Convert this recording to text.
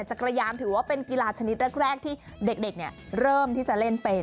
จักรยานถือว่าเป็นกีฬาชนิดแรกที่เด็กเริ่มที่จะเล่นเป็น